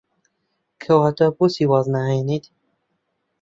کەواتە بۆچی واز ناهێنیت؟